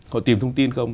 họ tìm thông tin không